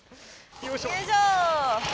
よいしょ。